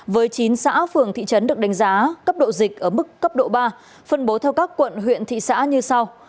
với chín xã phường thị trấn được đánh giá cấp độ dịch ở mức cấp độ ba phân bố theo các quận huyện thị xã như sau